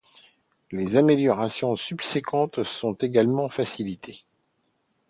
Les améliorations subséquentes sont également facilitées.